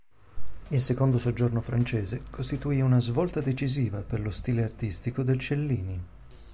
Il secondo soggiorno francese costituì una svolta decisiva per lo stile artistico del Cellini.